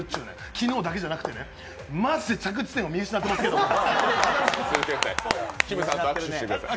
昨日だけじゃなくてね、マジで着地点、見失っていますけどきむさんと握手してください。